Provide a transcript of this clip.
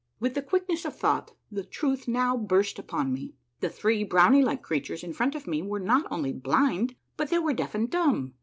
With the quickness of thought the truth now burst upon me : The three brownie like creatures in front of me were not only blind, but they were deaf and dumb.